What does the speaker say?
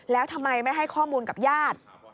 แล้วทำไมไม่ให้ข้อมูลกับญาติ